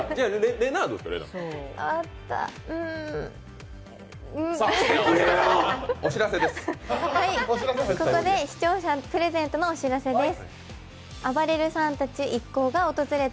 うんここで視聴者プレゼントのお知らせです。